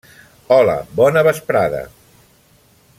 Hola, bona vesprada!